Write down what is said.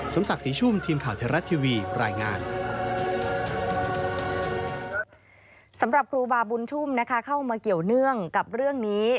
สำหรับครูบาบุญชุ่มนะคะเข้ามาเกี่ยวเนื่องกับเรื่องนี้